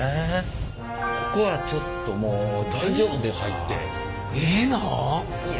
ここはちょっともう大丈夫ですか？